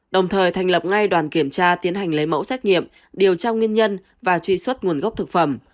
đồng thời thành lập ngay đoàn kiểm tra tiến hành lấy mẫu xét nghiệm điều tra nguyên nhân và truy xuất nguồn gốc thực phẩm